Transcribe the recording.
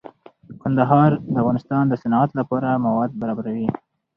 کندهار د افغانستان د صنعت لپاره مواد برابروي.